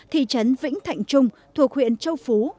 thị trấn vĩnh thạnh trung thuộc huyện châu phú